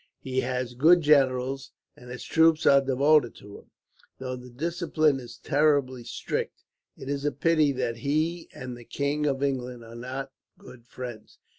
He has good generals, and his troops are devoted to him, though the discipline is terribly strict. It is a pity that he and the King of England are not good friends.